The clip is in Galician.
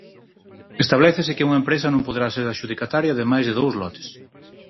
Establécese que unha empresa non poderá ser adxudicataria de máis de dous lotes.